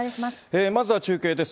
まずは中継です。